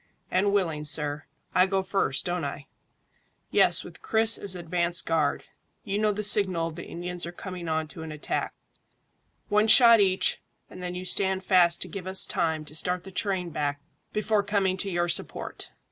"And willing, sir. I go first, don't I?" "Yes, with Chris as advance guard. You know the signal if the Indians are coming on to an attack one shot each, and then you stand fast to give us time to start the train back before coming to your support."